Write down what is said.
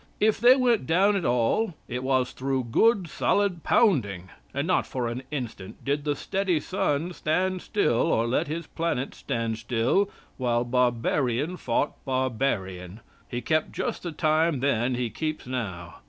If they went down at all, it was through good solid pounding. And not for an instant did the steady sun stand still or let his planet stand still while barbarian fought barbarian. He kept just the time then he keeps now.